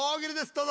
どうぞ。